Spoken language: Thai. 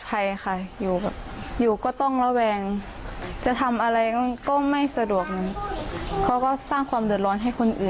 ไปอยู่ที่ไหน